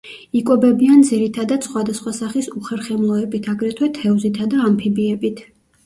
იკვებებიან ძირითადად სხვადასხვა სახის უხერხემლოებით, აგრეთვე თევზითა და ამფიბიებით.